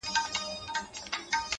له دغي خاوري مرغان هم ولاړل هجرت کوي”